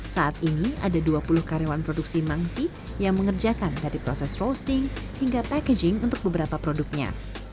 saat ini ada dua puluh karyawan produksi mangsi yang mengerjakan dari proses roasting hingga packaging untuk beberapa produknya